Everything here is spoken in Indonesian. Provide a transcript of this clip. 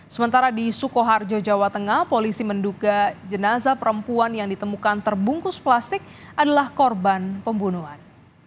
sementara di sukoharjo jawa tengah polisi menduga jenazah perempuan yang ditemukan terbungkus plastik adalah korban pembunuhan